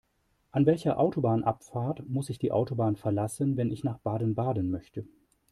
An welcher Autobahnabfahrt muss ich die Autobahn verlassen, wenn ich nach Baden-Baden möchte?